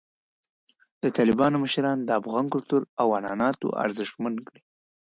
د طالبانو مشران د افغان کلتور او عنعناتو ارزښتمن ګڼي.